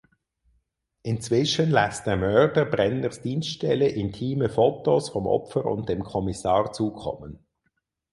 Inzwischen lässt der Mörder Brenners Dienststelle intime Fotos vom Opfer und dem Kommissar zukommen.